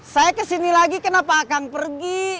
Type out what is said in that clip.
saya ke sini lagi kenapa akang pergi